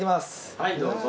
はいどうぞ。